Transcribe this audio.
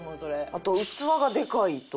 あと「器がでかい」という。